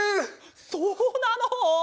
そうなの！？